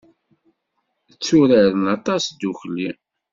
Tturaren aṭas ddukkli.